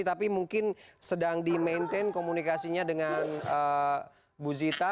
tapi mungkin sedang di maintain komunikasinya dengan bu zita